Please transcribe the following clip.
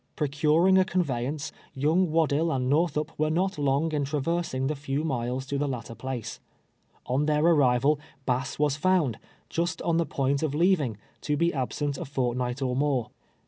Procuring a con veyance, young "W^addill and jSTortliup were not long in traversing the few miles to the latter place. On their arrival, Bass was found, just on the point of leav ing, to be absent a fortnight or more.